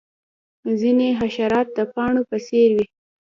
ځینې حشرات د پاڼو په څیر وي